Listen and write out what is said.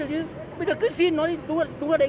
nếu nào chàng trai đã chữa giải mất con gái